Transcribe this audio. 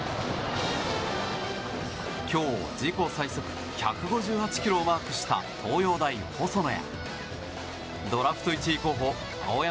今日、自己最速１５８キロをマークした東洋大、細野。